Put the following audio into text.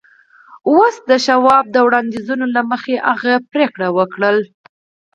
اوس د شواب د وړانديزونو له مخې هغه پرېکړه وکړه.